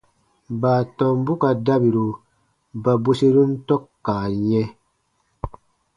Baatɔmbu ka dabiru ba bweserun tɔ̃ka yɛ̃.